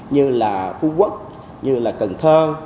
như là phú quốc như là cần thơ